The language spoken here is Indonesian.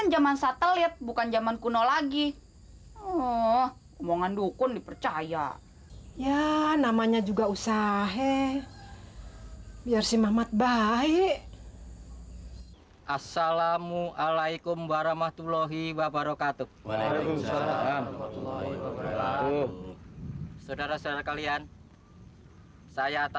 sampai jumpa di video selanjutnya